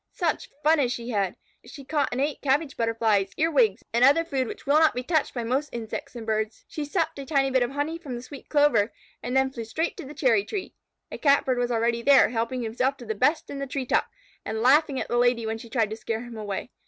Such fun as she had! She caught and ate Cabbage Butterflies, Earwigs, and other food which will not be touched by most insects and birds. She supped a tiny bit of honey from the sweet clover, and then flew straight to the cherry tree. A Catbird was already there, helping himself to the best in the tree top, and laughing at the Lady when she tried to scare him away.